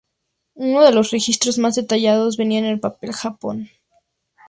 Uno de los registros más detallados venía con el papel jabón.